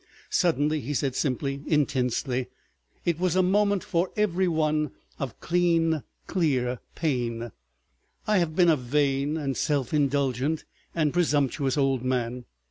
Suddenly he said simply, intensely—it was a moment for every one of clean, clear pain, "I have been a vain and self indulgent and presumptuous old man.